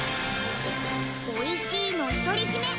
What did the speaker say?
おいしいの独り占め